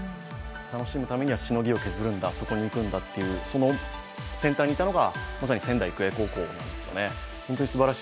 楽しむためにはしのぎを削るんだとその先端にいたのがまさに仙台育英高校ですね。